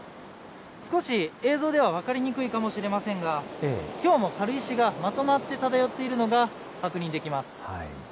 少し映像では分かりにくいかもしれませんが、きょうも軽石がまとまって漂っているのが確認できます。